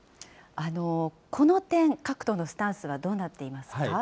この点、各党のスタンスはどうなっていますか。